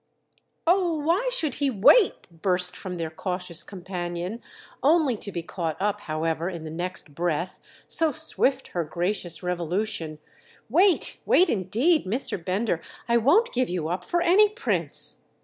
"Oh why should he 'wait'?" burst from their cautious companion—only to be caught up, however, in the next breath, so swift her gracious revolution. "Wait, wait indeed, Mr. Bender—I won't give you up for any Prince!"